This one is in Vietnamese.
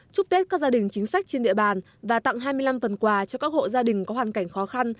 chúc tết các gia đình chính sách trên địa bàn và tặng hai mươi năm phần quà cho các hộ gia đình có hoàn cảnh khó khăn